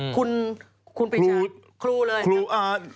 คุณคุณปีชาครูเลย